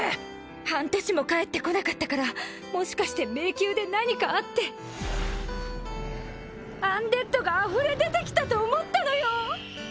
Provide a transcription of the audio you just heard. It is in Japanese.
半年も帰ってこなかったからもしかして迷宮で何かあってアンデッドがあふれ出てきたと思ったのよ